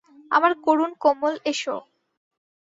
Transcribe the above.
আমার করুণ কোমল, এসো!